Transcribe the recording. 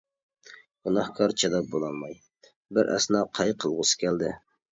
گۇناھكار چىداپ بولالماي بىر ئەسنا قەي قىلغۇسى كەلدى.